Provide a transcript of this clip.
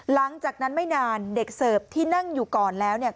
หลังจากนั้นไม่นานเด็กเสิร์ฟที่นั่งอยู่ก่อนแล้วเนี่ย